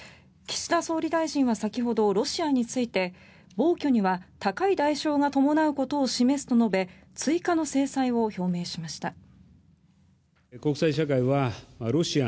岸田総理大臣は先ほどロシアについて暴挙には高い代償が伴うことを示すと述べ追加の制裁を表明しました。